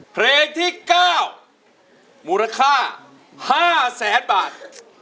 เพลงที่เก้ามูลค่าห้าแสนบาท